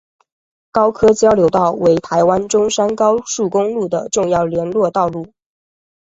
高科交流道为台湾中山高速公路的重要联络道路。